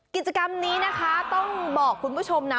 กิจกรรมนี้นะคะต้องบอกคุณผู้ชมนะ